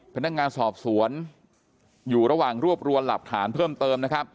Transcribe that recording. พนักงานสอบสวนอยู่ระหว่างรวบรวมหลักฐานเพิ่มเติมนะครับ